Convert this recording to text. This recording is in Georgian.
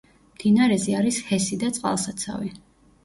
მდინარეზე არის ჰესი და წყალსაცავი.